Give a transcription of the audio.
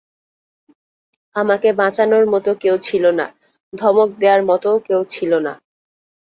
আমাকে বাঁচানোর মতো কেউ ছিল না, ধমক দেয়ার মতোও কেউ ছিল না।